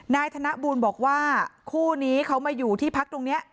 ธนบูลบอกว่าคู่นี้เขามาอยู่ที่พักตรงนี้